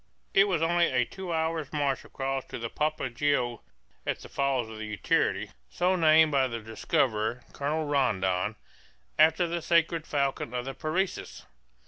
It was only a two hours' march across to the Papagaio at the Falls of Utiarity, so named by their discoverer, Colonel Rondon, after the sacred falcon of the Parecis.